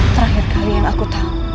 terakhir kali yang aku tahu